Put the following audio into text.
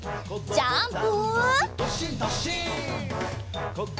ジャンプ！